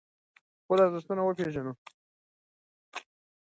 خپل ارزښتونه وپیژنو.